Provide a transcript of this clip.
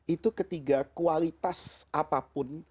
itu ketiga kualitas apapun